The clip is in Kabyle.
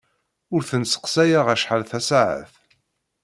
Ur ten-sseqsayeɣ acḥal tasaɛet.